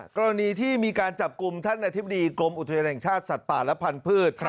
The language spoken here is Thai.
กรณีที่มีการจับกลุ่มท่านอธิบดีกรมอุทยานแห่งชาติสัตว์ป่าและพันธุ์